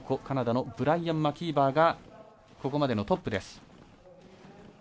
カナダのブライアン・マキーバーがここまでのトップです。